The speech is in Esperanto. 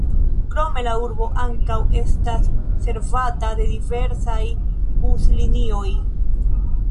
Krome la urbo ankaŭ estas servata de diversaj buslinioj.